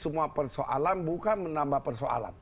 semua persoalan bukan menambah persoalan